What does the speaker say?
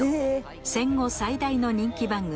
戦後最大の人気番組